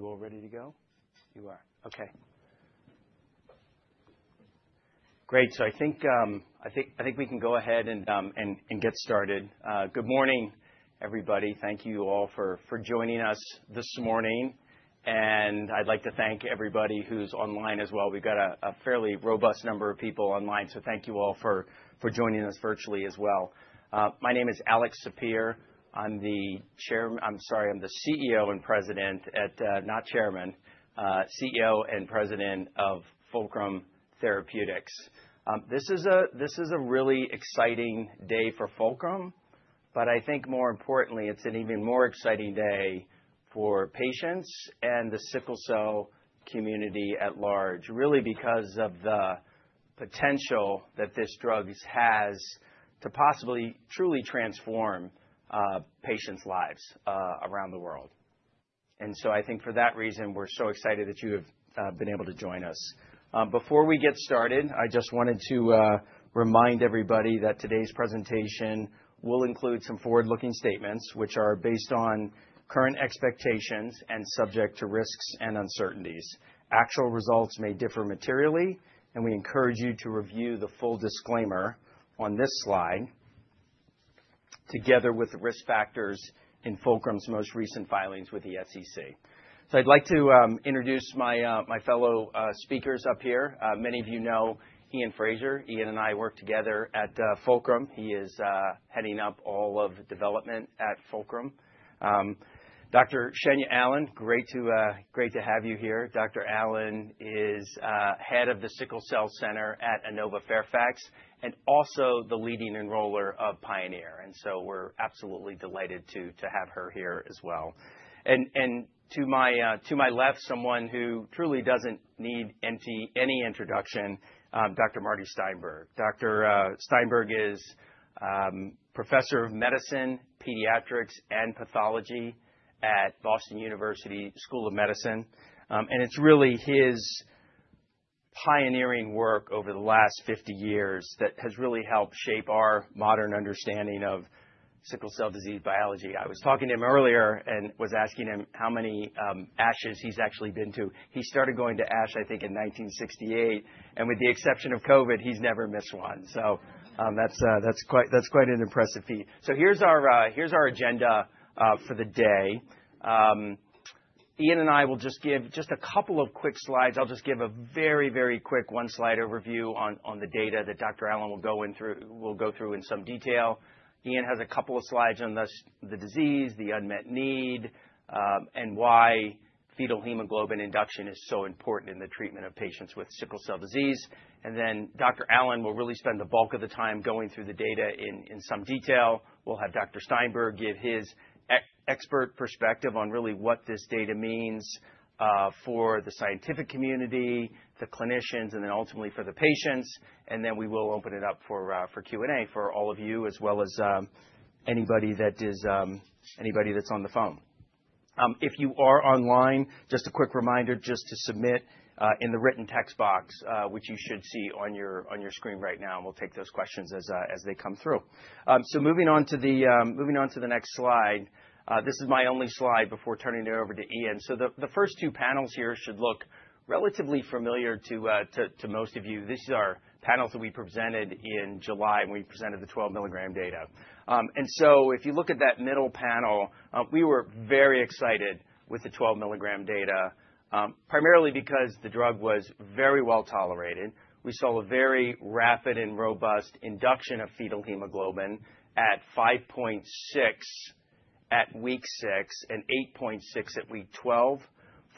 Are you all ready to go? We are. Okay. Great. So I think we can go ahead and get started. Good morning everybody. Thank you all for joining us this morning. And I'd like to thank everybody who's online as well. We've got a fairly robust number of people online, so thank you all for joining us virtually as well. My name is Alex Sapir. I'm the chairman, I'm sorry, I'm the CEO and President at, not chairman, CEO and President of Fulcrum Therapeutics. This is a really exciting day for Fulcrum, but I think more importantly, it's an even more exciting day for patients and the sickle cell community at large, really because of the potential that this drug has to possibly truly transform patients lives around the world. And so I think for that reason we're so excited that you have been able to join us. Before we get started, I just wanted to remind everybody that today's presentation will include some forward looking statements which are based on current expectations and subject to risks and uncertainties. Actual results may differ materially, and we encourage you to review the full disclaimer on this slide. Together with the risk factors in Fulcrum's most recent filings with the SEC, so I'd like to introduce my fellow speakers up here. Many of you know Iain Fraser. Iain and I work together at Fulcrum. He is heading up all of development at Fulcrum. Dr. Sheinei Alan. Great to have you here. Dr. Alan is head of the Sickle Cell Center at Inova Fairfax and also the leading enroller of PIONEER. And so we're absolutely delighted to have her here as well. And to my left, someone who truly doesn't need any introduction, Dr. Marty Steinberg. Dr. Steinberg is professor of medicine, Pediatrics and Pathology at Boston University School of Medicine. And it's really his pioneering work over the last 50 years that has really helped shape our modern understanding of sickle cell disease biology. I was talking to him earlier and was asking him how many ASHs he's actually been to. He started going to ASH, I think in 1968 and with the exception of COVID he's never missed one. So that's quite an impressive feat. So here's our agenda for the day. Iain and I will just give a couple of quick slides. I'll just give a very, very quick one slide overview on the data that Dr. Alan will go through in some detail. Iain has a couple of slides on the disease, the unmet need and why fetal hemoglobin induction is so important in the treatment of patients with sickle cell disease. Dr. Alan will really spend the bulk of the time going through the data in some detail. We'll have Dr. Steinberg give his expert perspective on really what this data means for the scientific community, the clinicians, and then ultimately for the patients. We will open it up for Q&A for all of you as well as. Anybody that's on the phone, if you are online. Just a quick reminder just to submit in the written text box, which you should see on your screen right now, and we'll take those questions as they come through, so moving on to the next slide, this is my only slide before turning it over to Iain, so the first two panels here should look relatively familiar to most of you. These are panels that we presented in July when we presented the 12 milligram data, and so if you look at that middle panel, we were very excited with the 12 milligram data primarily because the drug was very well tolerated. We saw a very rapid and robust induction of fetal hemoglobin at 5.6 at week six and 8.6 at week 12.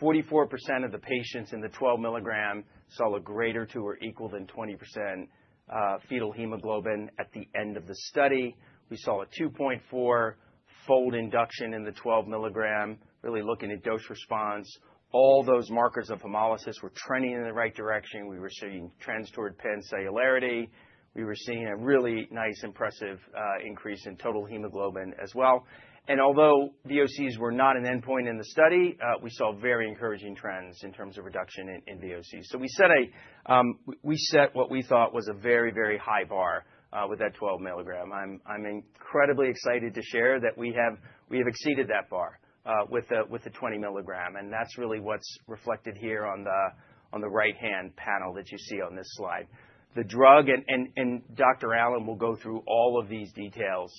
44% of the patients in the 12 milligram saw a greater than or equal to 20% fetal hemoglobin. At the end of the study, we saw a 2.4-fold induction in the 12 milligram. Really looking at dose response, all those markers of hemolysis were trending in the right direction. We were seeing trends toward pancellularity. We were seeing a really nice impressive increase in total hemoglobin as well. And although VOCs were not an endpoint in the study, we saw very encouraging trends in terms of reduction in VOCs. So we set what we thought was a very, very high bar with that 12 milligram. I'm incredibly excited to share that we have. We have exceeded that bar with the 20 milligram. And that's really what's reflected here on the right hand panel that you see on this slide. The drug, and Dr. Alan will go through all of these details,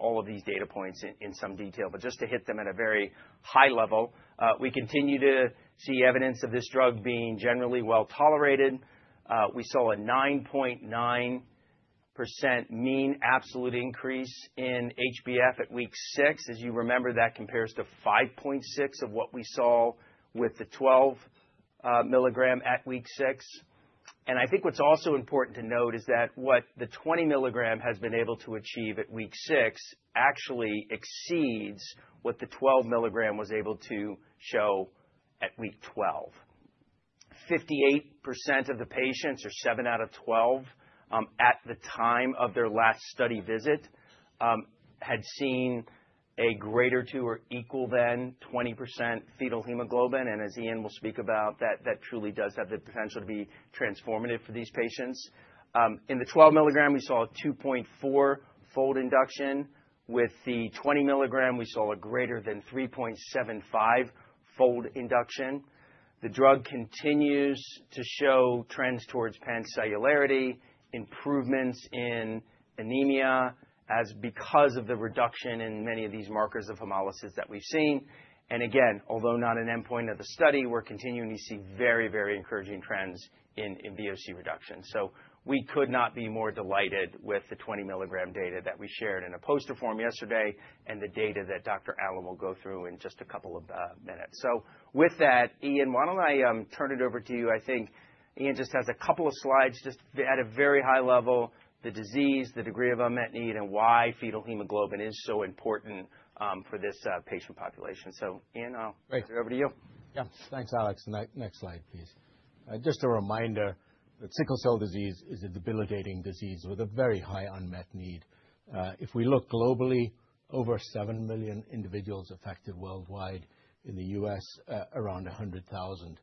all of these data points in some detail, but just to hit them at a very high level, we continue to see evidence of this drug being generally well tolerated. We saw a 9.9% mean absolute increase in HbF at week six. As you remember, that compares to 5.6% of what we saw with the 12 milligram at week six. And I think what's also important to note is that what the 20 milligram has been able to achieve at week six actually exceeds what the 12 milligram was able to show at week 12. 58% of the patients, or 7 out of 12, at the time of their last study visit had seen a greater than or equal to 20% fetal hemoglobin. And as Iain will speak about, that truly does have the potential to be transformative for these patients. In the 12 milligram we saw a 2.4 fold induction. With the 20 milligram we saw a greater than 3.75 fold induction. The drug continues to show trends towards pancellularity, improvements in anemia as because of the reduction in many of these markers of hemolysis that we've seen. And again, although not an endpoint of the study, we're continuing to see very, very encouraging trends in VOC reduction. So we could not be more delighted with the 20 milligram data that we shared in a poster form yesterday and the data that Dr. Alan will go through in just a couple of minutes. So with that, Iain, why don't I turn it over to you? I think Iain just has a couple of slides just at a very high level, the disease, the degree of unmet need and why fetal hemoglobin is so important for this patient population. So, Iain, I'll turn it over to you. Yeah, thanks Alex. Next slide please. Just a reminder that sickle cell disease is a debilitating disease with a very high unmet need. If we look globally, over seven million individuals affected, worldwide, in the U.S. around 100,000.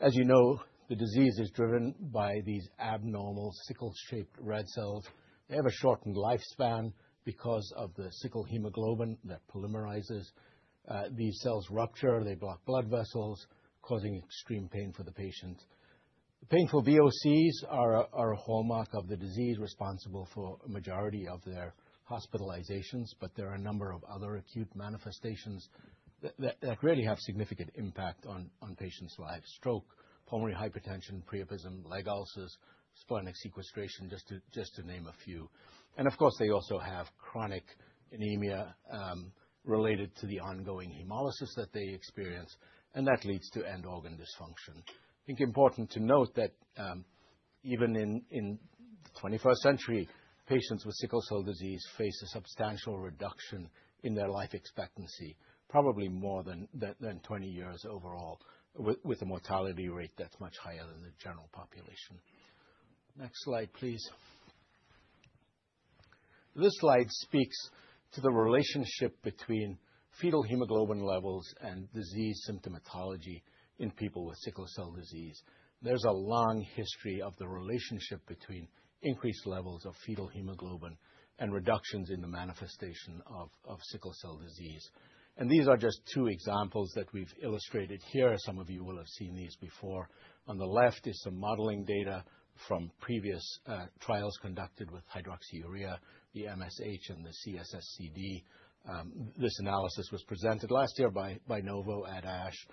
As you know, the disease is driven by these abnormal sickle shaped red cells. They have a shortened lifespan because of the sickle hemoglobin that polymerizes. These cells rupture, they block blood vessels, causing extreme pain for the patient. Painful VOCs are a hallmark of the disease responsible for a majority of their hospitalizations. But there are a number of other acute manifestations that really have significant impact on patients' lives. Stroke, pulmonary hypertension, priapism, leg ulcers, splenic sequestration, just to name a few. And of course they also have chronic anemia related to the ongoing hemolysis that they experience and that leads to end organ dysfunction. I think important to note that even in the 21st century, patients with sickle cell disease face a substantial, substantial reduction in their life expectancy, probably more than 20 years overall with a mortality rate that's much higher than the general population. Next slide please. This slide speaks to the relationship between fetal hemoglobin levels and disease symptomatology in people with sickle cell disease. There's a long history of the relationship between increased levels of fetal hemoglobin and reductions in the manifestation of sickle cell disease. These are just two examples that we've illustrated here. Some of you will have seen these before. On the left is some modeling data from previous trials conducted with hydroxyurea, the MSH and the CSSCD. This analysis was presented last year by Novo at ASH.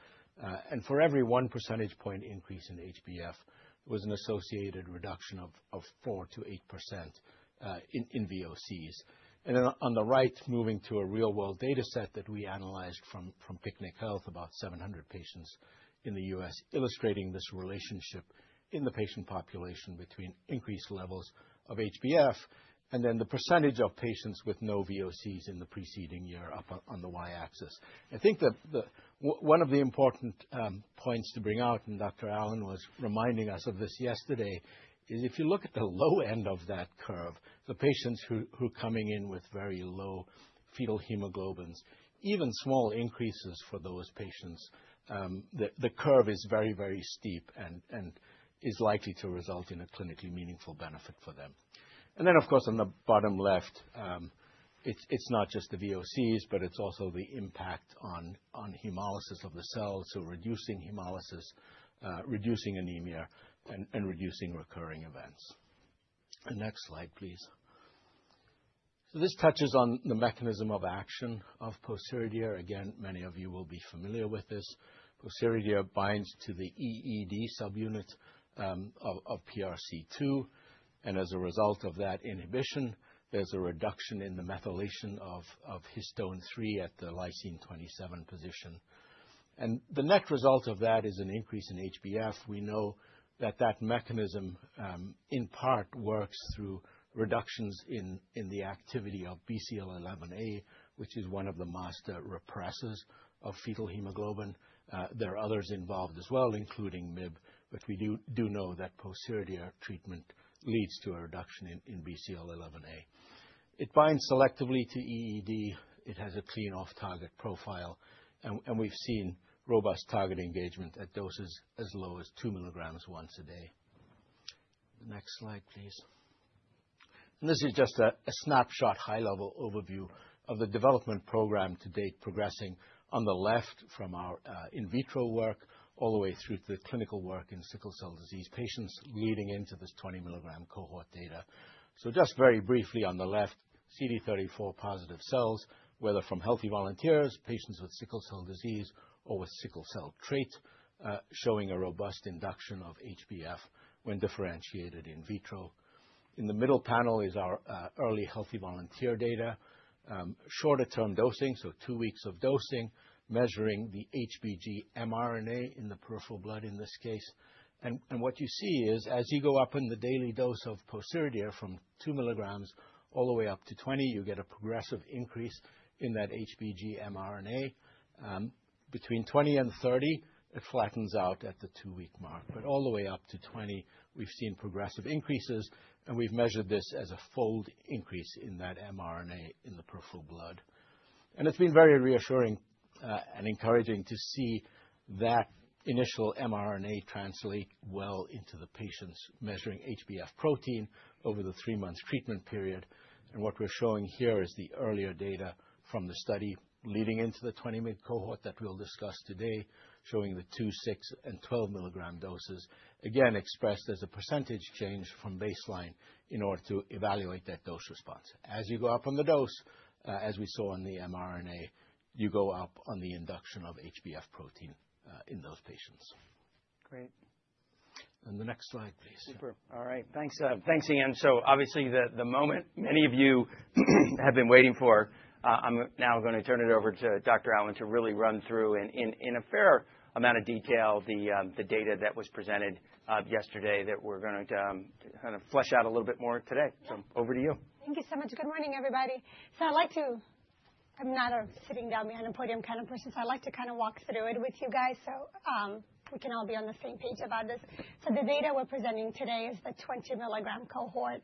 For every 1 percentage point increase in HbF there was an associated reduction of 4%-8% in VOCs. Then on the right, moving to a real-world data set that we analyzed from PicnicHealth, about 700 patients in the U.S. Illustrating this relationship in the patient population between increased levels of HbF and then the percentage of patients with no VOCs in the preceding year. Up on the Y axis, I think that one of the important points to bring out, and Dr. Alan was reminding us of this yesterday, is if you look at the low end of that curve, the patients who are coming in with very low fetal hemoglobins, even small increases for those patients, the curve is very, very steep and is likely to result in a clinically meaningful benefit for them. And then of course, on the bottom left, it's not just the VOCs, but it's also the impact on hemolysis of the cells. So reducing hemolysis, reducing anemia and reducing recurring events. Next slide please. This touches on the mechanism of action of pociredir. Again, many of you will be familiar with this. pociredir binds to the EED subunit of PRC2 and as a result of that inhibition, there's a reduction in the methylation of histone 3 at the lysine 27 position. And the net result of that is an increase in HbF. We know that that mechanism in part works through reductions in the activity of BCL11A, which is one of the master repressors of fetal hemoglobin. There are others involved as well, including MYB. But we do know that pociredir treatment leads to a reduction in BCL11A. It binds selectively to EED. It has a clean off target profile, and we've seen robust target engagement at doses as low as two milligrams once a day. Next slide please. This is just a snapshot, high-level overview of the development program to date, progressing on the left, from our in vitro work all the way through to the clinical work in sickle cell disease patients leading into this 20-milligram cohort data. So just very briefly, on the left, CD34-positive cells, whether from healthy volunteers, patients with sickle cell disease or with sickle cell trait, showing a robust induction of HbF when differentiated in vitro. In the middle panel is our early healthy volunteer data. Shorter term dosing. So two weeks of dosing, measuring the HBG mRNA in the peripheral blood in this case, and what you see is as you go up in the daily dose of pociredir, from 2 mg all the way up to 20 mg, you get a progressive increase in that HBG mRNA between 20 and 30. It flattens out at the two-week mark, but all the way up to 20, we've seen progressive increases and we've measured this as a fold increase in that mRNA in the peripheral blood. And it's been very reassuring and encouraging to see that initial mRNA translate well into the patient's measuring HbF protein over the three-month treatment period. And what we're showing here is the earlier data from the study leading into the 20 mg cohort that we'll discuss today, showing the 2, 6, and 12 mg doses, again expressed as a percentage change from baseline in order to evaluate that dose response. As you go up on the dose, as we saw in the mRNA, you go up on the induction of HbF protein in those patients. Great. And the next slide, please. Super. All right, thanks, Iain. So obviously the moment many of you have been waiting for. I'm now going to turn it over to Dr. Alan to really run through in a fair amount of detail the data that was presented yesterday that we're going to kind of flesh out a little bit more today. So over to. Thank you so much. Good morning, everybody. So I'd like to. I'm not a sitting down behind a podium kind of person, so I'd like to kind of walk through it with you guys so we can all be on the same page about this. So the data we're presenting today is the 20 milligram cohort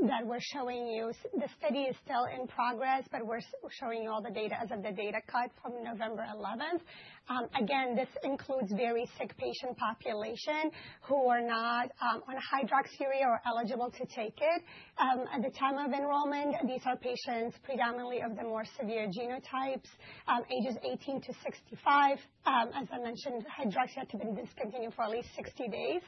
that we're showing you. The study is still in progress, but we're showing you all the data as of the data cut from November 11th. Again, this includes very sick patient population who are not on hydroxyurea or eligible to take it at the time of enrollment. These are patients predominantly of the more severe genotypes, ages 18 to 65. As I mentioned, hydroxy had to be discontinued for at least 60 days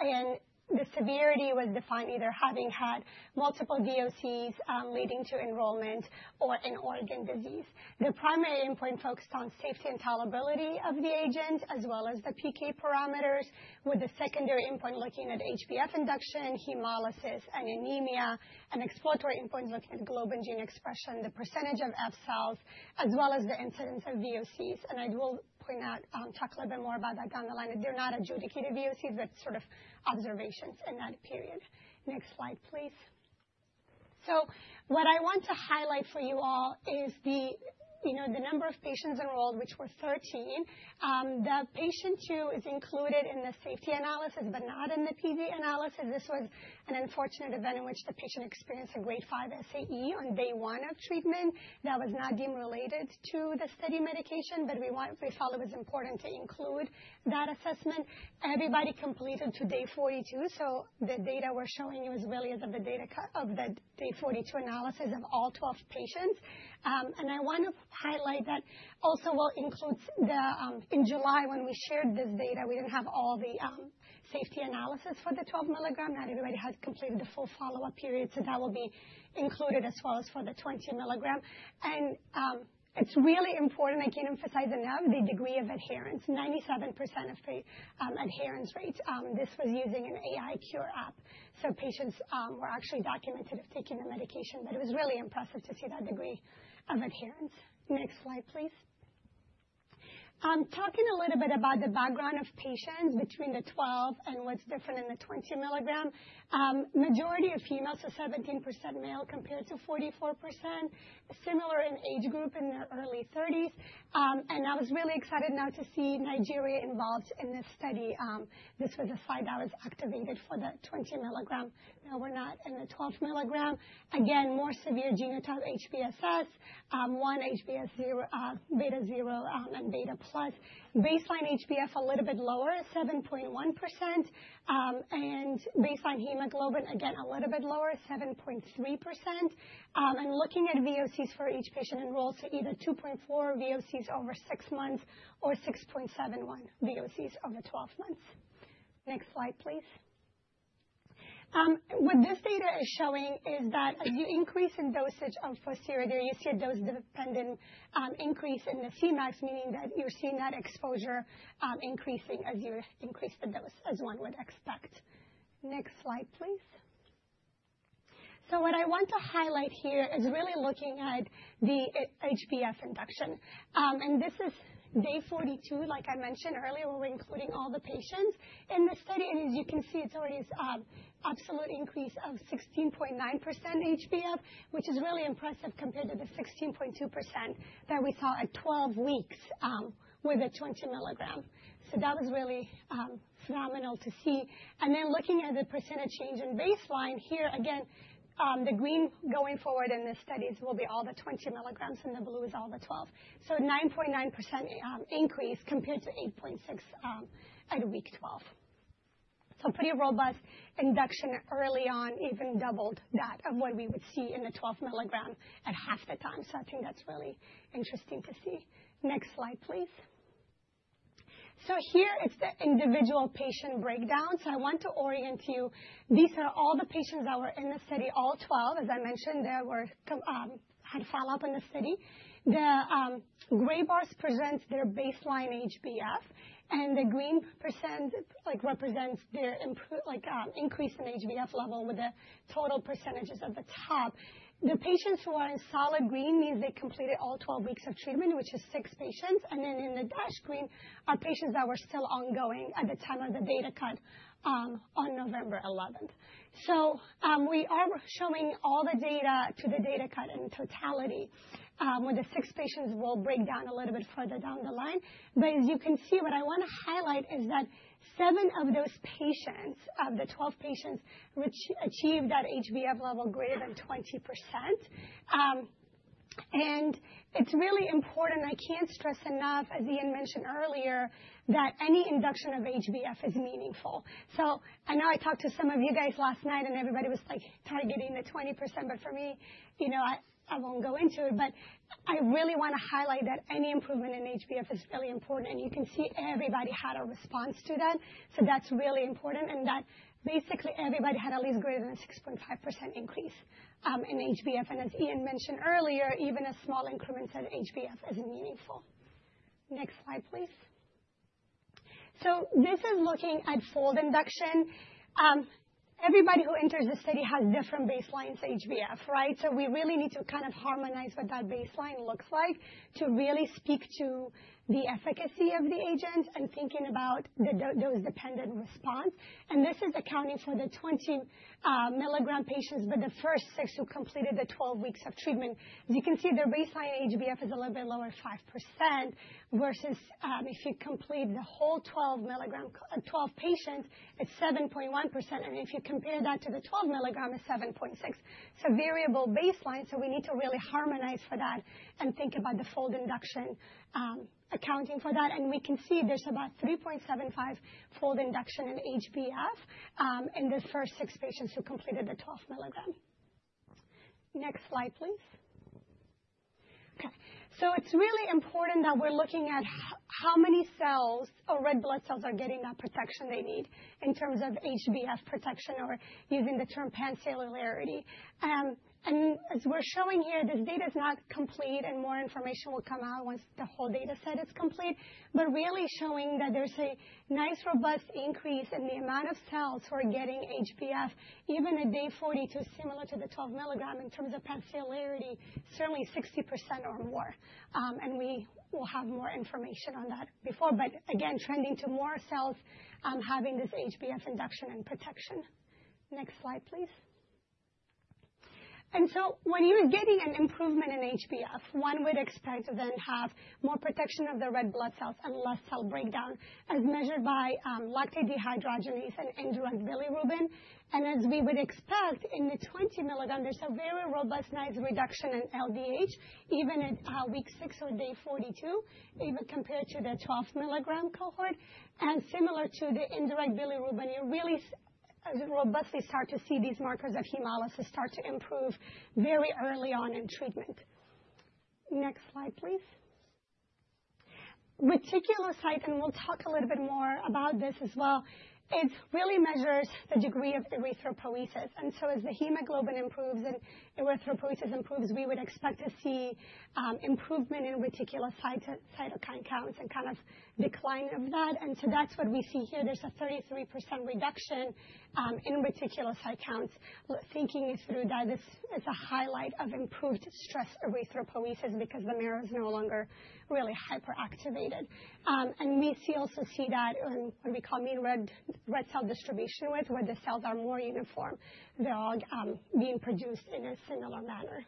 and the severity was defined either having had multiple VOCs leading to enrollment or an organ disease. The primary endpoint focused on safety and tolerability of the agent as well as the PK parameters, with the secondary endpoint looking at HbF induction, hemolysis and anemia, and exploratory endpoint looking at globin gene expression, the percentage of F cells, as well as the incidence of VOCs. I will point out, talk a little bit more about that down the line that they're not adjudicated VOCs. That's sort of observations in that period. Next slide please. What I want to highlight for you all is the number of patients enrolled which were 13. Patient 2 is included in the safety analysis but not in the PK analysis. This was an unfortunate event in which the patient experienced a grade 5 SAE on day one of treatment that was not deemed related to the study medication. But we felt it was important to include that assessment and everybody completed to day 42, so the data we're showing you is really of the day 42 analysis of all 12 patients and I want to highlight that also will include the. In July when we shared this data, we didn't have all the safety analysis for the 12 milligram. Not everybody has completed the full follow-up period, so that will be included as well as for the 20 milligram, and it's really important. I can't emphasize enough the degree of adherence: 97% of patients' adherence rate. This was using an AiCure app, so patients were actually documented of taking the medication, but it was really impressive to see that degree of adherence. Next slide please. Talking a little bit about the background of patients between the 12 and what's different in the 20 mg. Majority of females are 17% male compared to 44%, similar in age group in their early 30s. I was really excited now to see Nigeria involved in this study. This was a site that was activated for the 20 mg. Now we're not in the 12 mg. Again, more severe genotype HbSS, HbS beta 0 and beta+ baseline HbF a little bit lower 7.1% and baseline hemoglobin again a little bit lower 7.3%, and looking at VOCs for each patient enrolled, so either 2.4 VOCs over 6 months or 6.71 VOCs over 12 months. Next slide please. What this data is showing is that as you increase in dosage of pociredir there you see a dose dependent increase in the Cmax, meaning that you're seeing that exposure increasing as you increase the dose as one would expect. Next slide please. So what I want to highlight here is really looking at the HbF induction and this is day 42. Like I mentioned earlier, we're including all the patients in this study and as you can see, it's already absolute increase of 16.9% HbF, which is really impressive compared to the 16.2% that we saw at 12 weeks with a 20 milligram. So that was really phenomenal to see. And then looking at the percentage change in baseline here, again, the green going forward in the studies will be all the 20 milligrams and the blue is all the 12. So 9.9% increase compared to 8.6 at week 12. So pretty robust induction early on even doubled that of what we would see in the 12 milligram at half the time. So I think that's really interesting to see. Next slide, please. So here it's the individual patient breakdown. So I want to orient you. These are all the patients that were in the study, all 12, as I mentioned, that had follow up in the study. The gray bars present their baseline HbF. And the green % represents their increase in HbF level with the total percentages at the top. And the patients who are in solid green means they completed all 12 weeks of treatment, which is six patients. And then in the dashed green are patients that were still ongoing at the time of the data cut on November 11th. So we are showing all the data to the data cut in totality with the six patients. We'll break down a little bit further down the line. But as you can see, what I want to highlight is that seven of those patients, the 12 patients, achieve that HbF level greater than 20%. It's really important. I can't stress enough, as Iain mentioned earlier, that any induction of HbF is meaningful. I know I talked to some of you guys last night and everybody was like targeting the 20%. For me, you know, I won't go into it, but I really want to highlight that any improvement in HbF is really important. You can see everybody had a response, so that's really important. That basically everybody had at least greater than 6.5% increase in HbF. As Iain mentioned earlier, even a small increment of HbF isn't meaningful. Next slide, please. So this is looking at fold induction. Everybody who enters the study has different baseline HbF. Right. So we really need to kind of harmonize what that baseline looks like to really speak to the efficacy of the agent and thinking about dose-dependent response. And this is accounting for the 20 milligram patients, but the first six who completed the 12 weeks of treatment, as you can see, the baseline HbF is a little bit lower, 5% versus if you complete the whole 12 milligram, 12 patients, it's 7.1%. And if you compare that to the 12 milligram, it's 7.6%. So variable baseline. So we need to really harmonize for that and think about the fold induction accounting for that. And we can see there's about 3.75 fold induction in HbF in this first six patients who completed the 12 milligram. Next slide, please. Okay, so it's really important that we're looking at how many cells, or red blood cells, are getting that protection they need in terms of HbF protection, or using the term pancellularity, and as we're showing here, this data is not complete, and more information will come out once the whole data set is complete, but really showing that there's a nice robust increase in the amount of cells who are getting HbF even at day 42, similar to the 12 milligram in terms of pancellularity, certainly 60% or more. And we will have more information on that before, but again trending to more cells having this HbF induction and protection. Next slide, please. And so when you're getting an improvement in HbF, one would expect to then have more protection of the red blood cells and less cell breakdown as measured by lactate dehydrogenase and indirect bilirubin. And as we would expect, in the 20 milligram, there's a very robust, nice reduction in LDH even at week six or day 42, even compared to the 12 milligram cohort. And similar to the indirect bilirubin, you really robustly start to see these markers of hemolysis start to improve very early on in treatment. Next slide, please. Reticulocyte, and we'll talk a little bit more about this as well. It really measures the degree of erythropoiesis. As the hemoglobin improves and erythropoiesis improves, we would expect to see improvement in reticulocyte counts and kind of decline of that. That's what we see here. There's a 33% reduction in reticulocyte counts. Thinking through that, this is a highlight of improved stress erythropoiesis, because the marrow is no longer really hyperactivated. We also see that what we call red cell distribution width, where the cells are more uniform, being produced in a similar manner.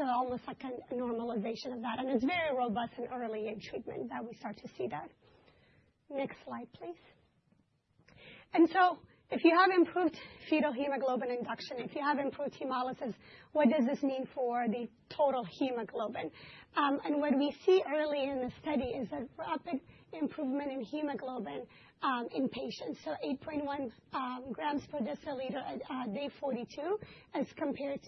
Almost like a normalization of that. It's very robust and early in treatment that we start to see that. Next slide, please. If you have improved fetal hemoglobin induction, if you have improved hemolysis, what does this mean for the total hemoglobin? What we see early in the study is a rapid improvement in hemoglobin in patients. So, 8.1 grams per deciliter at day 42 as compared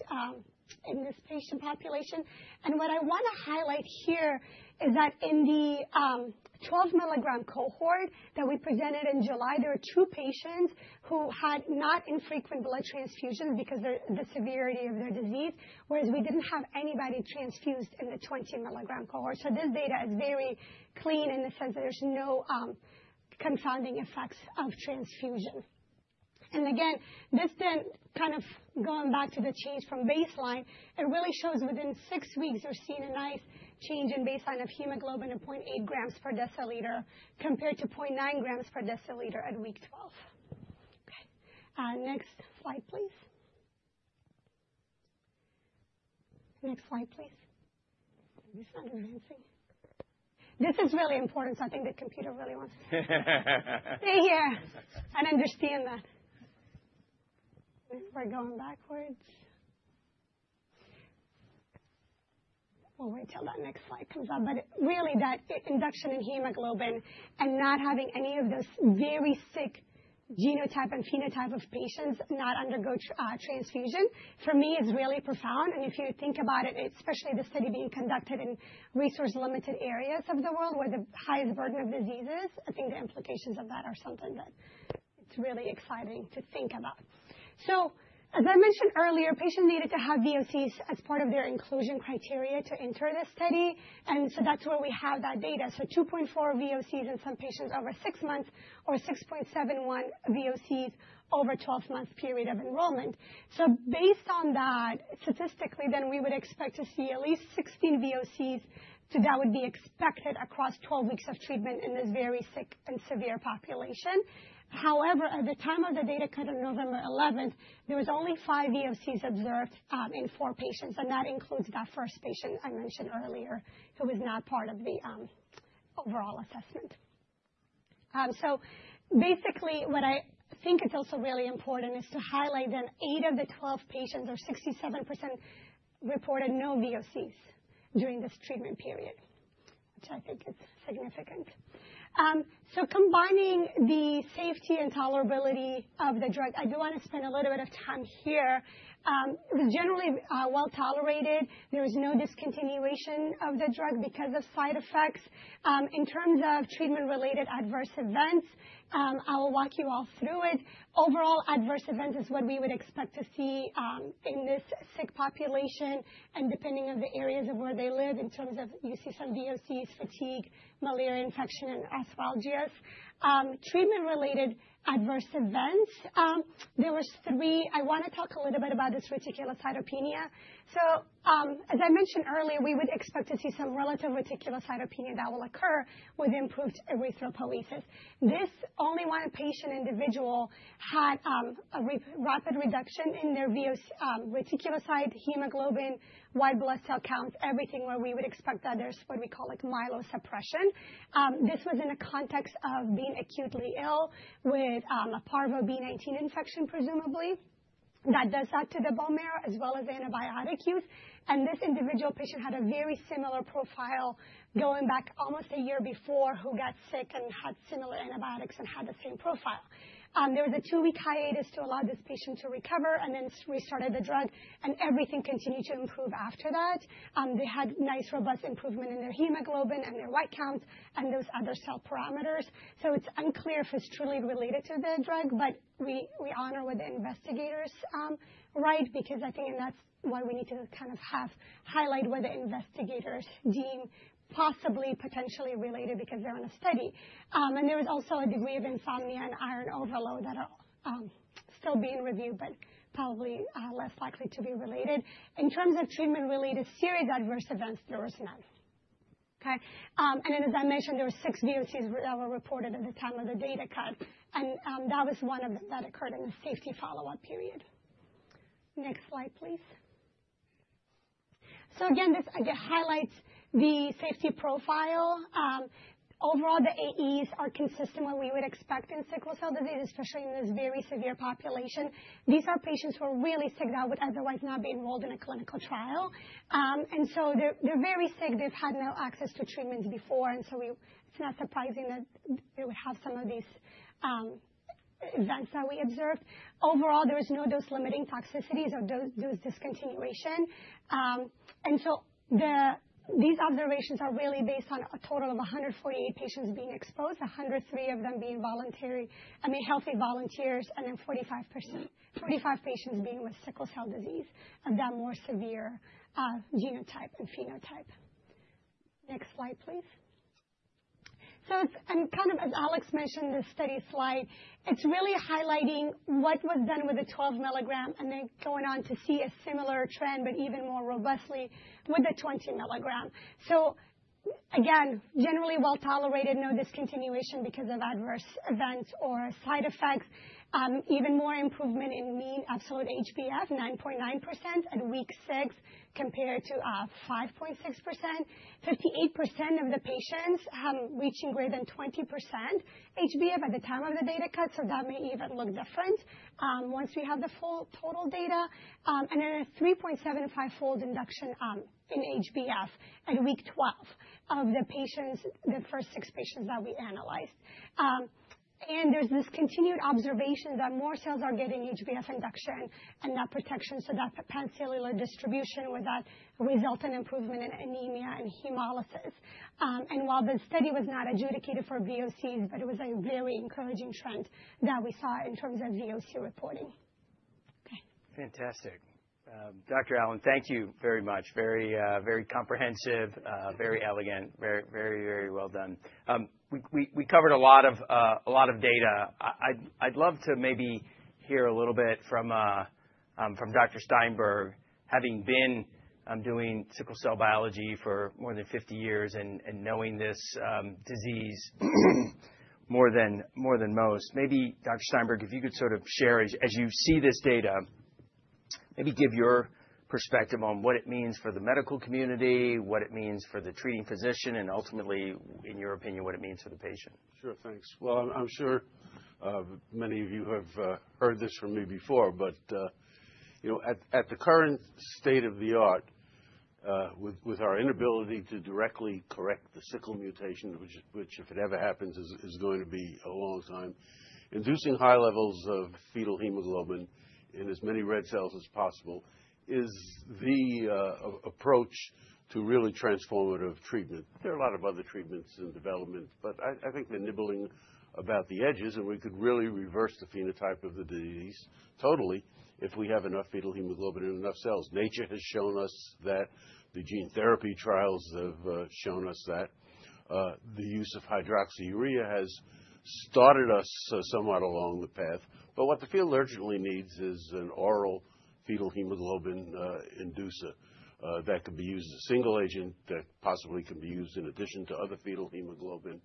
in this patient population. And what I want to highlight here is that in the 12 milligram cohort that we presented in July, there were two patients who had not infrequent blood transfusions because the severity of their disease, whereas we didn't have anybody transfused in the 20 milligram cohort. So this data is very clean in the sense that there's no confounding effects of transfusion. And again, this then kind of going back to the change from baseline, it really shows within six weeks we're seeing a nice change in baseline of hemoglobin at 0.8 grams per deciliter compared to 0.9 grams per deciliter at week 12. Next slide, please. Next slide, please. This is really important, so I think the computer really wants to stay here. I understand that. We're going backwards. We'll wait till that next slide comes up, but really that induction in hemoglobin and not having any of this very sick genotype and phenotype of patients not undergo transfusion, for me it's really profound. And if you think about it, especially the study being conducted in resource-limited areas of the world where the highest burden of diseases, I think the implications of that are something that it's really exciting to think about, so, as I mentioned earlier, patients needed to have VOCs as part of their inclusion criteria to enter this study. And so that's where we have that data, so 2.4 VOCs in some patients over six months or 6.71 VOCs over a 12-month period of enrollment. So based on that, statistically, then we would expect to see at least 16 VOCs that would be expected across 12 weeks of treatment in this very sick and severe population. However, at the time of the data cut on November 11th, there was only five VOCs observed in four patients, and that includes that first patient I mentioned earlier, who was not part of the overall assessment, so basically what I think is also really important is to highlight then eight of the 12 patients, or 67%, reported no VOCs during this treatment period, which I think is significant. So, combining the safety and tolerability of the drug, I do want to spend a little bit of time here. It was generally well tolerated. There is no discontinuation of the drug because of side effects in terms of treatment related adverse events. I will walk you all through it. Overall adverse events is what we would expect to see in this sick population. And depending on the areas of where they live, in terms of you see some VOCs, fatigue, malaria infection and arthralgias, treatment related adverse events. There were still. I want to talk a little bit about this reticulocytopenia. So as I mentioned earlier, we would expect to see some relative reticulocytopenia that will occur with improved erythropoiesis. This only one patient individual had a rapid reduction in their reticulocyte, hemoglobin, white blood cell counts, everything. Where we would expect that there's what we call like myelosuppression. This was in the context of being acutely ill with a Parvovirus B19 infection. Presumably that does add to the bone marrow as well as antibiotic use and this individual patient had a very similar profile going back almost a year before, who got sick and had similar antibiotics and had the same profile. There was a two-week hiatus to allow this patient to recover and then restarted the drug and everything continued to improve after that. They had nice, robust improvement in their hemoglobin and their white counts and those other cell parameters, so it's unclear if it's truly related to the drug, but we honor what the investigators write because I think, and that's why we need to kind of have highlight what the investigators deem possibly potentially related because they're in a study. There is also a degree of insomnia and iron overload that are still being reviewed, but probably less likely to be related in terms of treatment related serious adverse events. There are some. Okay. As I mentioned, there were six VOCs that were reported at the time of the data cut and that was one of them that occurred in the safety follow up period. Next slide, please. So again, this again highlights the safety profile. Overall, the AES are consistent with what we would expect in sickle cell disease, especially in this very severe population. These are patients who are really sick that would otherwise not be enrolled in a clinical trial. And so they're very sick. They've had no access to treatments before. And so it's not surprising that they would have some of these events that we observed. Overall, there is no dose limiting toxicities or dose discontinuation. And so these observations are really based on a total of 148 patients being exposed, 103 of them being voluntary, I mean healthy volunteers and then 45 patients being with sickle cell disease of that more severe genotype and phenotype. Next slide, please. So kind of, as Alex mentioned, this study slide, it's really highlighting what was done with the 12 milligram and then going on to see a similar trend, but even more robustly with the 20 milligram. So again, generally well tolerated, no discontinuation because of adverse events or side effects. Even more improvement in mean absolute HbF, 9.9% at week six compared to 5.6%. 58% of the patients reaching greater than 20% HbF at the time of the data cut. So that may even look different once we have the full total data. And then a 3.75 fold induction in HbF at week 12 of the patients, the first six patients that we analyzed. And there's this continued observation that more cells are getting HbF induction and that protection. So that pancellular distribution with that resultant improvement in anemia and hemolysis. While the study was not adjudicated for VOCs, but it was a very encouraging trend that we saw in terms of VOC reporting. Okay, fantastic. Dr. Alan, thank you very much. Very comprehensive, very elegant, very, very well done. We covered a lot of data. I'd love to maybe hear a little bit from Dr. Steinberg, having been doing sickle cell biology for more than 50 years and knowing this disease. More than most. Maybe, Dr. Steinberg, if you could sort of share as you see this data, maybe give your perspective on what it means for the medical community, what it means for the treating physician, and ultimately what it means, in your opinion, what it means for the. Patient. Sure. Thanks. Well, I'm sure many of you have heard this from me before, but, you know, at the current state of the art, with our inability to directly correct the sickle mutation, which if it ever happens, is going to be a long time, inducing high levels of fetal hemoglobin in as many red cells as possible is the approach to really transformative treatment. There are a lot of other treatments in development, but I think they're nibbling about the edges, and we could really reverse the phenotype of the disease totally if we have enough fetal hemoglobin and enough cells. Nature has shown us that the gene therapy trials have shown us that the use of hydroxyurea has started us somewhat along the path. But what the field urgently needs is an oral fetal hemoglobin inducer that could be used as a single agent that possibly can be used in addition to other fetal hemoglobin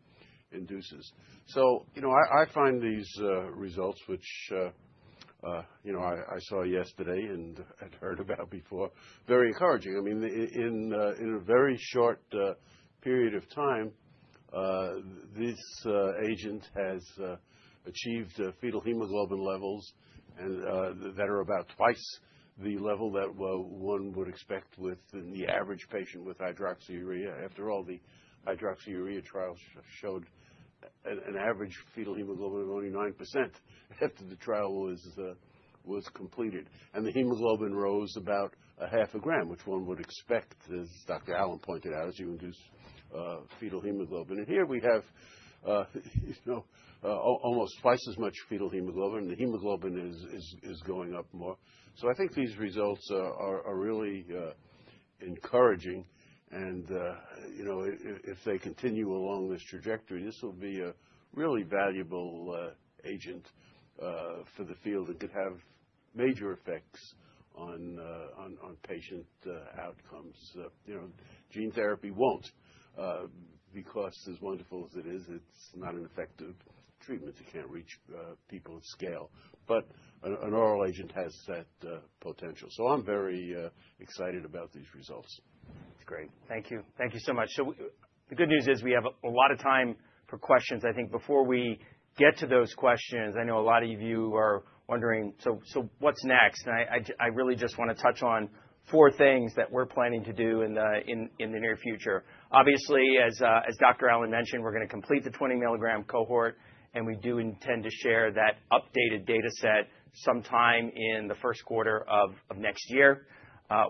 inducers. So, you know, I find these results, which, you know, I saw yesterday and had heard about before, very encouraging. I mean, in a very short period of time, this agent has achieved fetal hemoglobin levels that are about twice the level that one would expect within the average patient with hydroxyurea. After all, the hydroxyurea trials showed an average fetal hemoglobin of only 9% after the trial was completed. And the hemoglobin rose about a half a gram, which one would expect, as Dr. Alan pointed out, as you induce fetal hemoglobin, and here we have. Almost twice as much fetal hemoglobin. The hemoglobin is going up more, so I think these results are really encouraging. And you know, if they continue along this trajectory, this will be a really valuable agent for the field and could have major effects on patient outcomes. You know, gene therapy won't, because as wonderful as it is, it's not an effective treatment. It can't reach people at scale, but an oral agent has that potential, so I'm very excited about these results. That's great. Thank you. Thank you so much. The good news is we have a lot of time for questions. I think before we get to those questions, I know a lot of you are wondering, so what's next? I really just want to touch on four things that we're planning to do in the near future. Obviously, as Dr. Alan mentioned, we're going to complete the 20 milligram cohort and we do intend to share that updated data set sometime in the first quarter of next year.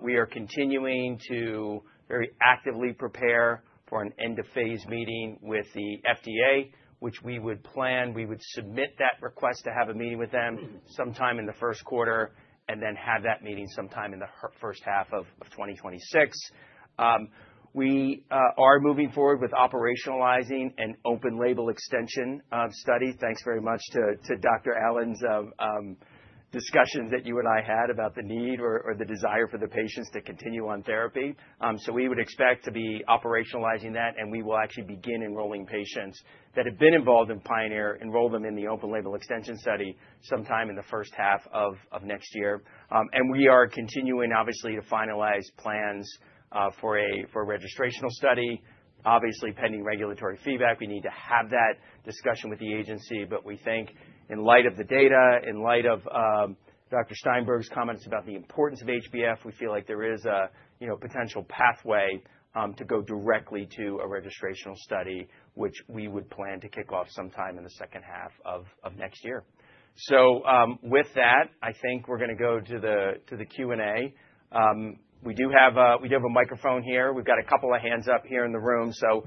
We are continuing to very actively prepare for an end of phase meeting with the FDA which we would plan. We would submit that request to have a meeting with them so sometime in the first quarter and then have that meeting sometime in the first half of 2026. We are moving forward with operationalizing an open label extension study. Thanks very much to Dr. Alan's discussions that you and I had about the need or the desire for the patients to continue on therapy, so we would expect to be operationalizing that and we will actually begin enrolling patients that have been involved in Pioneer, enroll them in the open label extension study sometime in the first half of next year. And we are continuing obviously to finalize plans for a registrational study, obviously pending regulatory feedback. We need to have that discussion with the agency, but we think in light of the data, in light of Dr. Steinberg's comments about the importance of HbF, we feel like there is a potential pathway to go directly to a registrational study, which we would plan to kick off sometime in the second half of next year. So with that, I think we're going to go to the Q and A. We do have a microphone here. We've got a couple of hands up here in the room. So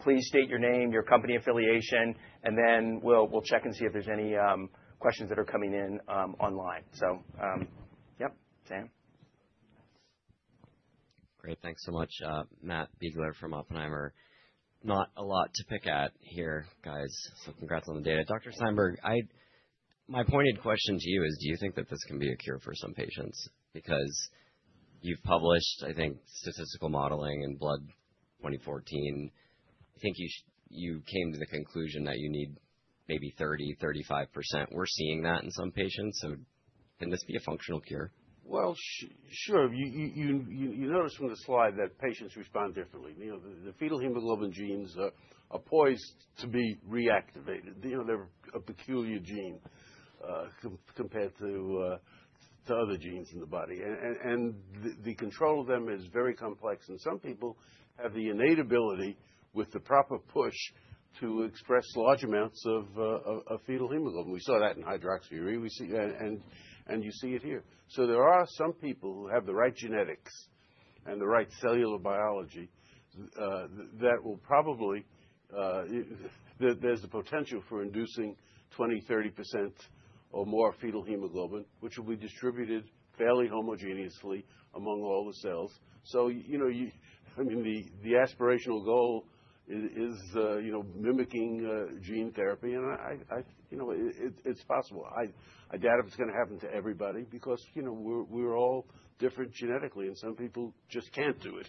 please state your name, your company affiliation, and then we'll check and see if there's any questions that are coming in online. Yep. Sam? Great. Thanks so much. Matt Biegler from Oppenheimer. Not a lot to pick at here, guys. So congrats on the data. Dr. Steinberg, my pointed question to you is, do you think that this can be a cure for some patients? Because you've published, I think, statistical modeling in Blood 2014. I think you came to the conclusion that you need maybe 30%-35%. We're seeing that in some patients. So can this be a functional cure? Well, sure. You notice from the slide that patients respond differently. The fetal hemoglobin genes are poised to be reactivated. They're a peculiar gene compared to other genes in the body, and the control of them is very complex. And some people have the innate ability, with the proper push, to express large amounts of fetal hemoglobin. We saw that in hydroxyurea and you see it here. So there are some people who have the right genetics and the right cellular biology that will probably. There's the potential for inducing 20%, 30% or more fetal hemoglobin, which will be distributed fairly homogeneously among all the cells. So, you know, I mean, the aspirational goal is, you know, mimicking gene therapy. And I think, you know, it's possible. I doubt if it's going to happen to everybody because, you know, we're all different genetically and some people just can't do it.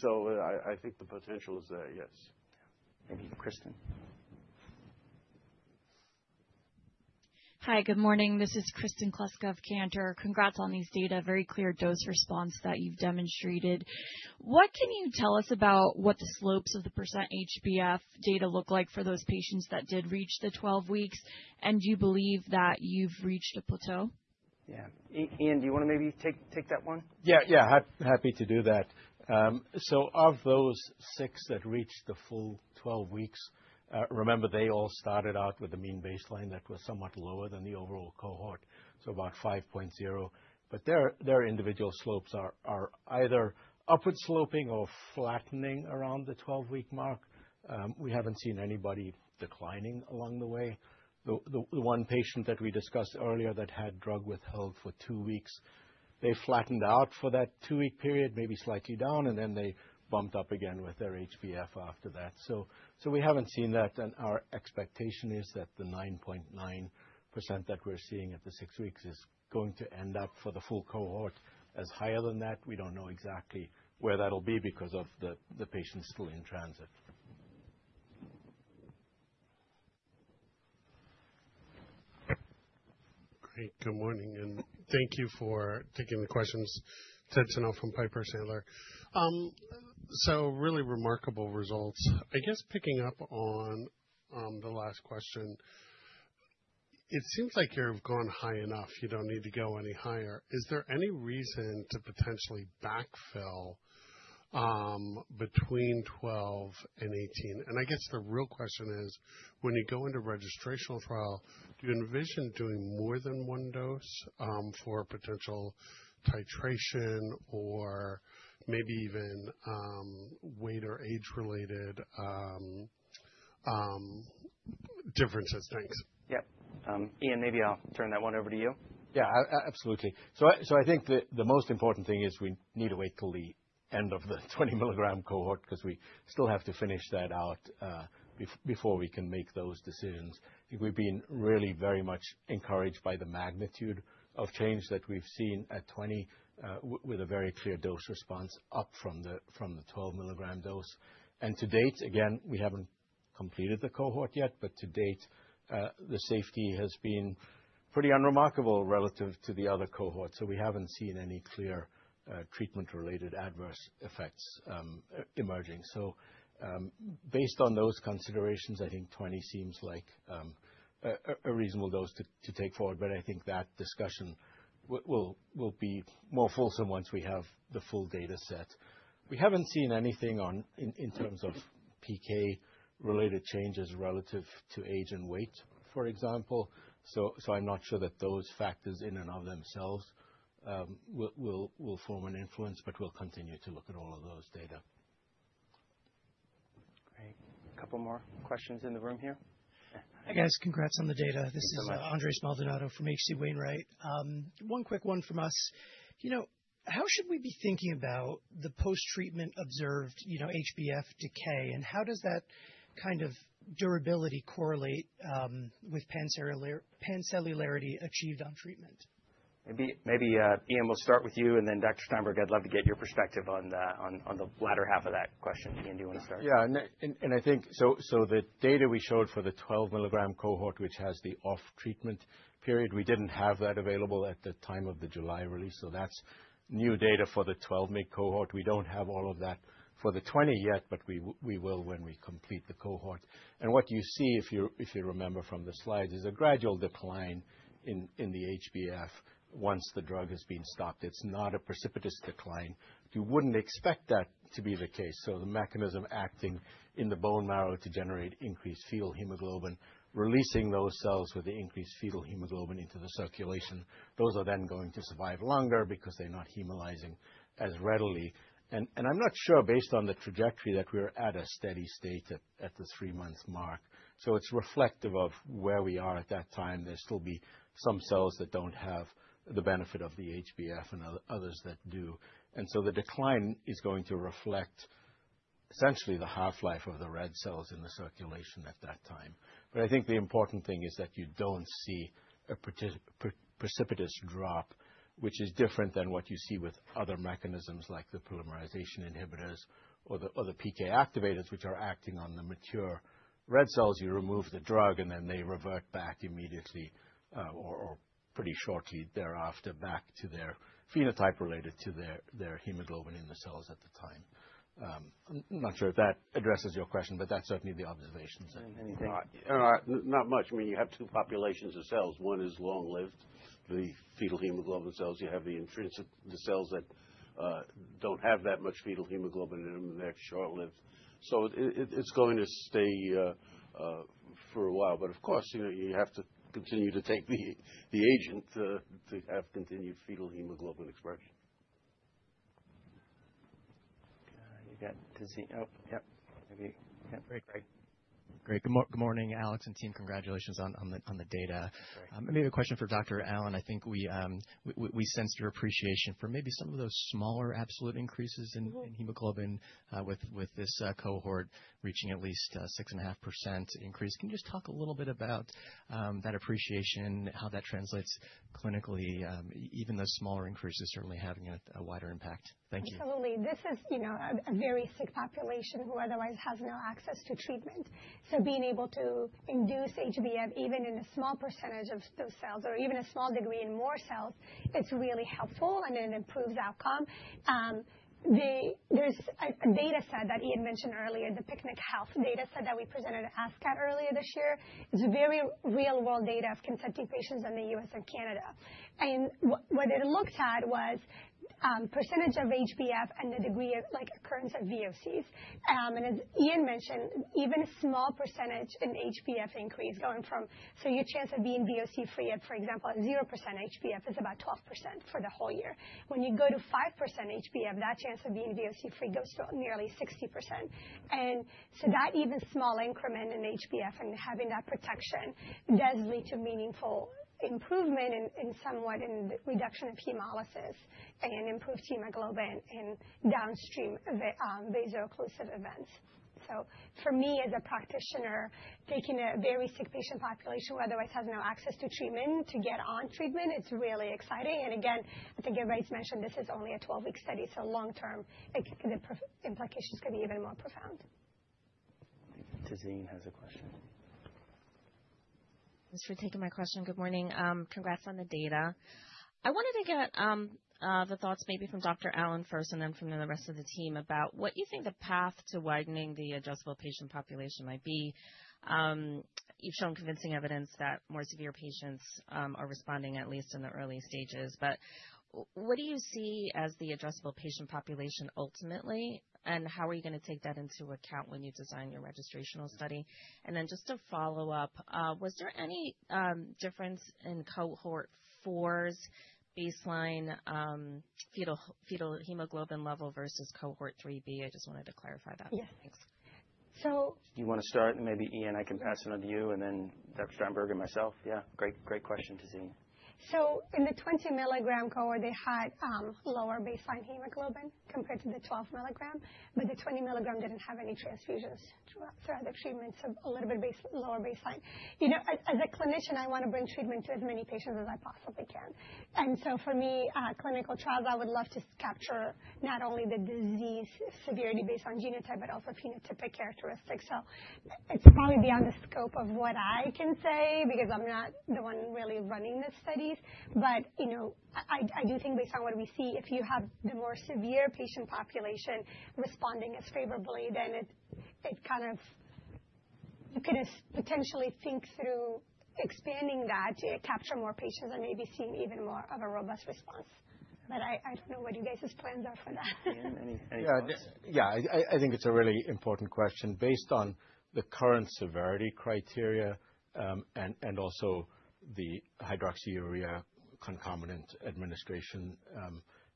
So, I think the potential is there, yes. Thank you. Kristen. Hi, good morning. This is Kristen Kluska of Cantor. Congrats on these data. Very clear dose response that you've demonstrated. What can you tell us about what the slopes of the percent HbF data look like for those patients that did reach the 12 weeks? And, do you believe that you've reached a plateau? Yeah. Iain, do you want to maybe take that one? Yeah. Yeah, happy to do that. So of those six that reached the full 12 weeks, remember, they all started out with the mean baseline that was somewhat lower than the overall cohort, so about 5.0. But their individual slopes are either upward sloping or flattening around the 12-week mark. We haven't seen anybody declining along the way. The one patient that we discussed earlier that had drug withheld for two weeks. They flattened out for that two-week period, maybe slightly down and then they bumped up again with their HbF after that. So we haven't seen that. And our expectation is that the 9.9% that we're seeing at the six weeks is going to end up for the full cohort as higher than that. We don't know exactly where that will be because of the patient still in transit. Great. Good morning and thank you for taking the questions Ted Tenthoff from Piper Sandler, so really remarkable results. I guess picking up on the last question. It seems like you've gone high enough, you don't need to go any higher. Is there any reason to potentially backfill. Between 12 and 18? And I guess the real question is when you go into registrational trial, do you envision doing more than one dose for potential titration or maybe even weight or age related differences? Thanks. Yep. Iain, maybe I'll turn that one over to you. Yeah, absolutely. So I think the most important thing is we need to wait till the end of the 20-milligram cohort because we still have to finish that out before we can make those decisions. We've been really very much encouraged by the magnitude of change that we've seen at 20 with a very clear dose-response up from the 12-milligram dose. And to date again we haven't completed the cohort yet. But to date the safety has been pretty unremarkable relative to the other cohorts. So we haven't seen any clear treatment-related adverse effects emerging. So based on those considerations, I think 20 seems like a reasonable dose to take forward. But I think that discussion will be more fulsome once we have the full data set. We haven't seen anything in terms of PK-related changes relative to age and weight, for example, so I'm not sure that those factors in and of themselves will form an influence, but we'll continue to look at all of those data. Great. Couple more questions in the room here. Hi guys. Congrats on the data. This is Andres Maldonado from H.C. Wainwright. One quick one from us. You know, how should we be thinking about the post-treatment observed HbF decay and how does that kind of durability correlate with pancellularity achieved on treatment? Maybe. Iain, we'll start with you and then Dr. Steinberg, I'd love to get your perspective on the latter half of that question. Iain, do you want to start? Yeah, and I think so. The data we showed for the 12-milligram cohort, which has the off-treatment period. We didn't have that available at the time of the July release. So that's new data for the 12-mg cohort. We don't have all of that for the 20 yet, but we will when we complete the cohort. And what you see, if you remember from the slides, is a gradual decline in the HbF once the drug has been stopped. It's not a precipitous decline. You wouldn't expect that to be the case. So the mechanism acting in the bone marrow to generate increased fetal hemoglobin, releasing those cells with the increased fetal hemoglobin into the circulation, those are then going to survive longer because they're not hemolyzing as readily. I'm not sure based on the trajectory that we're at a steady state at the three-month mark. So it's reflective of where we are at that time. There'll still be some cells that don't have the benefit of the HbF and others that do. And so the decline is going to reflect essentially the half-life of the red cells in the circulation at that time. But I think the important thing is that you don't see a precipitous drop, which is different than what you see with other mechanisms like the polymerization inhibitors or the PK activators which are acting on the mature red cells. You remove the drug and then they revert back immediately or pretty shortly thereafter back to their phenotype related to their hemoglobin in the cells at the time. I'm not sure if that addresses your question, but that's certainly the obvious. Not much. I mean, you have two populations of cells. One is long-lived, the fetal hemoglobin cells. You have the intrinsic, the cells that don't have that much fetal hemoglobin in them and they're short-lived. So it's going to stay for a while. But of course you have to continue to take the agent to have continued fetal hemoglobin expression. Great. Greg. Great. Good morning, Alex and team. Congratulations on the data. Maybe a question for Dr. Alan. I think we sensed your appreciation for maybe some of those smaller absolute increases in hemoglobin with this cohort reaching at least 6.5% increase. Can you just talk a little bit about that appreciation, how that translates clinically, even those smaller increases certainly having a wider impact. Thank you. Absolutely. This is, you know, a very sick population who otherwise has no access to treatment. So being able to induce HbF, even in a small percentage of those cells, or even a small degree in more cells, it's really helpful and it improves outcome. There's a data set that Iain mentioned earlier, the PicnicHealth data set that we presented at ASH earlier this year. It's very real world data of consenting patients in the US and Canada. And what it looked at was percentage of HbF and the degree of like occurrence of VOCs. And as Iain mentioned, even a small percentage in HbF increase going from. So your chance of being VOC free at, for example, at 0% HbF is about 12% for the whole year. When you go to 5% HbF, that chance of being VOC free goes to nearly 60%. And so that even small increment in HbF and having that protection does lead to meaningful improvement in somewhat in reduction of hemolysis and improved hemoglobin in downstream vaso-occlusive events. For me as a practitioner, taking a very sick patient population who otherwise has no access to treatment to get on treatment, it's really exciting. Again, I think everybody's mentioned this is only a 12-week study, so long-term its implications could be even more profound. Tazeen has a question. Thanks for taking my question. Good morning. Congrats on the data. I wanted to get the thoughts maybe from Dr. Alan first and then from the rest of the team about what you think the path to widening the adjustable patient population might be. You've shown convincing evidence that more severe patients are responding, at least in the early stages. But what do you see as the addressable patient population ultimately? And how are you going to take that into account when you design your registrational study and then just a follow up? Was there any difference in Cohort 4's baseline fetal hemoglobin level versus Cohort 3B? I just wanted to clarify that. Yeah. Thanks. You want to start and maybe Iain, I can pass it on to you and then Dr. Steinberg and myself. Yeah, great question Tazeen. So in the 20 milligram cohort they had lower baseline hemoglobin compared to the 12 milligram, but the 20 milligram didn't have any transfusions throughout the treatment. So a little bit lower baseline. You know, as a clinician, I want to bring treatment to as many patients as I possibly can. And so for me, clinical trials, I would love to capture not only the disease severity based on genotype, but also phenotypic characteristics. So it's probably beyond the scope of what I can say because I'm not the one really running the studies, but you know, I do think based on what we see, if you have the more severe patient population responding as favorably then it kind of you could potentially think through expanding that to capture more patients and maybe see even more of a robust response. But I don't know what you guys plans are. Yeah, I think it's a really important question. Based on the current severity criteria and also the hydroxyurea concomitant administration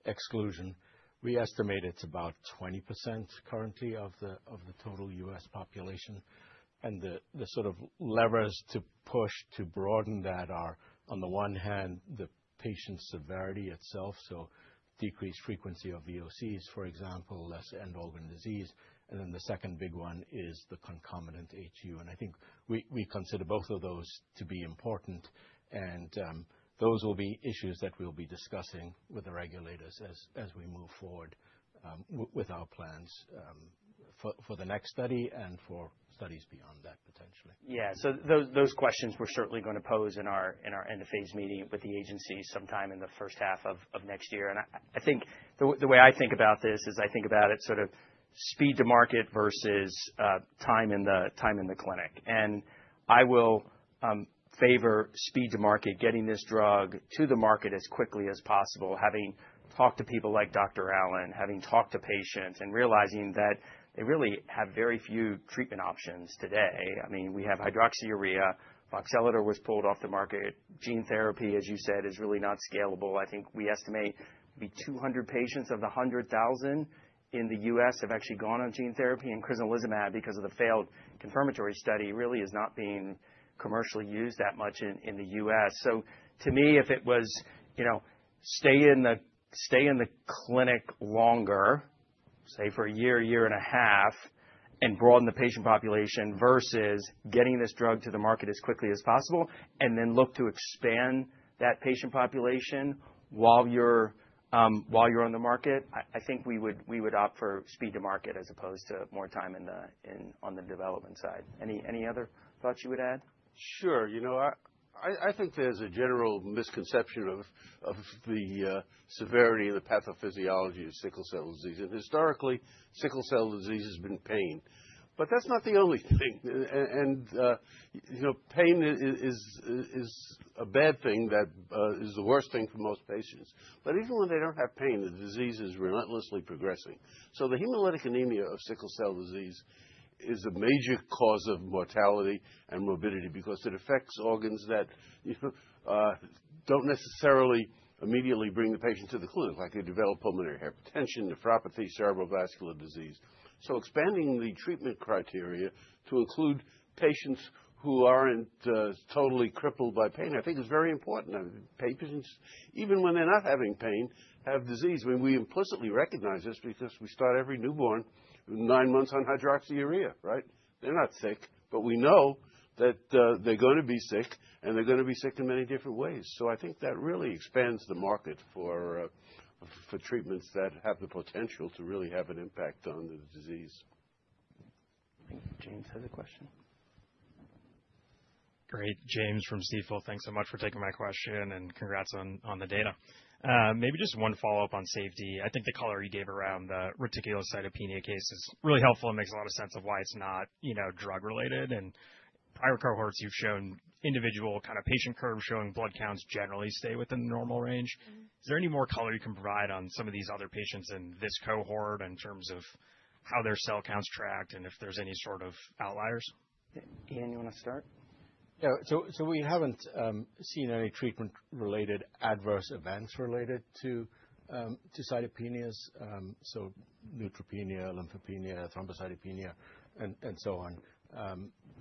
exclusion, we estimate it's about 20% currently of the total U.S. population, and the sort of levers to push to broaden that are on the one hand the patient severity itself, so decreased frequency of VOCs, for example, less end organ disease and then the second big one is the concomitant HU, and I think we consider both of those to be important and those will be issues that we'll be discussing with the regulators as we move forward with our plans for the next study and for studies beyond that potentially. Yeah. So those questions we're certainly going to pose in our end of phase meeting with the agency sometime in the first half of next year. And I think the way I think about this is I think about it sort of speed to market versus. Time in the clinic, and I will favor speed to market, getting this drug to the market as quickly as possible. Having talked to people like Dr. Alan, having talked to patients and realizing that they really have very few treatment options today. I mean, we have hydroxyurea. voxelotor was pulled off the market. Gene therapy, as you said, is really not scalable. I think we estimate 200 patients of the 100,000 in the U.S. have actually gone on gene therapy, and crizolizumab, because of the failed confirmatory study, really is not being commercially used that much in the U.S. So, to me, if it was, you know, stay in the clinic longer, say for a year, year and a half, and broaden the patient population versus getting this drug to the market as quickly as possible and then look to expand that patient population. While you're on the market? I think we would opt for speed to market as opposed to more time on the development side. Any other thoughts you would add? Sure. You know, I think there's a general misconception of the severity of the pathophysiology of sickle cell disease, and historically sickle cell disease has been pain, but that's not the only thing, and you know, pain is a bad thing. That is the worst thing for most patients, but even when they don't have pain, the disease is relentlessly progressing, so the hemolytic anemia of sickle cell disease is a major cause of mortality and morbidity because it affects organs that. Necessarily immediately bring the patient to the clinic. Like they develop pulmonary hypertension, nephropathy, cerebrovascular disease. So expanding the treatment criteria to include patients who aren't totally crippled by pain, I think is very important. Patients, even when they're not having pain, have disease. We implicitly recognize this because we start every newborn nine months on hydroxyurea. Right. They're not sick, but we know that they're going to be sick and they're going to be sick in many different ways. So I think that really expands the market for treatments that have the potential to really have an impact on the disease. James has a question. Great. James from Stifel, thanks so much for taking my question and congrats on the data. Maybe just one follow up on safety. I think the color you gave around the reticulocytopenia case is really helpful and makes a lot of sense of why it's not, you know, drug related. And prior cohorts, you've shown individual kind of patient curves, showing blood counts generally stay within the normal range. Is there any more color you can provide on some of these other patients in this cohort in terms of how their cell counts tracked and if there's any sort of outliers? Iain, you want to start? Yeah. So we haven't seen any treatment-related adverse events related to cytopenias. So neutropenia, lymphopenia, thrombocytopenia, and so on.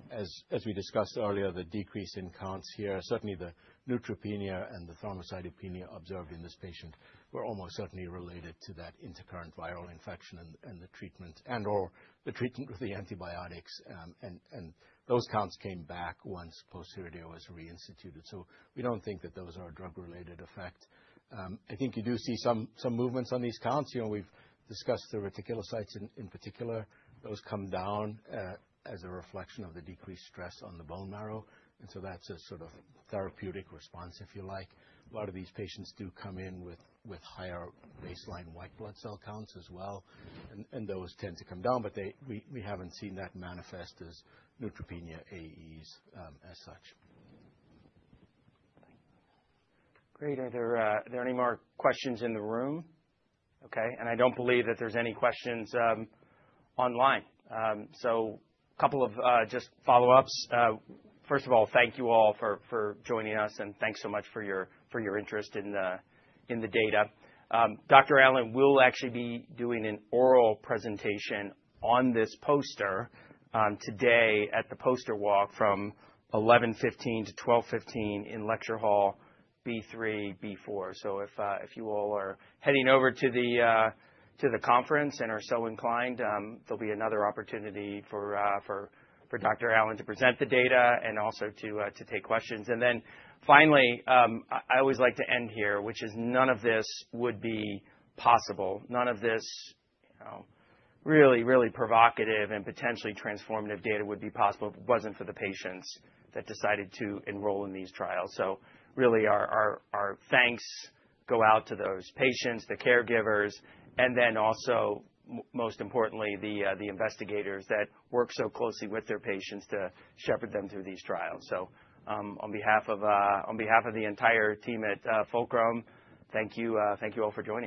As we discussed earlier, the decrease in counts here, certainly the neutropenia and the thrombocytopenia observed in this patient were almost certainly related to that intercurrent viral infection and the treatment, or the treatment with the antibiotics. And those counts came back once pociredir was reinstituted. So we don't think that those are drug related. I think you do see some movements on these counts. We've discussed the reticulocytes in particular. Those come down as a reflection of the decreased stress on the bone marrow. And so that's a sort of therapeutic response, if you like. A lot of these patients do come in with higher baseline white blood cell counts as well, and those tend to come down, but we haven't seen that manifest as neutropenia. AE as such. Great. Are there any more questions in the room? Okay. And I don't believe that there's any questions online, so just follow-ups. First of all, thank you all for joining us, and thanks so much for your interest in the data. Dr. Alan will actually be doing an oral presentation on this poster today at the Poster Walk from 11:15 A.M. to 12:15 P.M. in Lecture Hall B3B4. So if you all are heading over to the conference and are so inclined, there will be another opportunity for Dr. Alan to present the data and also to take questions. And then finally, I always like to end here, which is none of this would be possible. None of this really, really provocative and potentially transformative data would be possible if it wasn't for the patients that decided to enroll in these trials. So, really, our thanks go out to those patients, the caregivers, and then also, most importantly, the investigators that work so closely with their patients to shepherd them through these trials. So, on behalf of the entire team at Fulcrum, thank you all for joining.